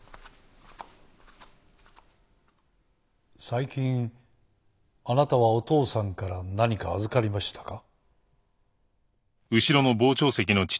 最近あなたはお父さんから何か預かりましたか？